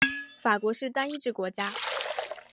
法国是单一制国家。